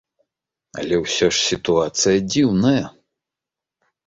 Але ўсё ж сітуацыя дзіўная.